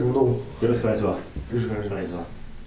よろしくお願いします。